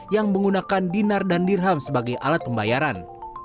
yang menggunakan dinar dan dirham sebagai alat pembayaran